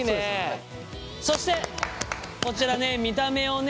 そしてこちらね見た目をね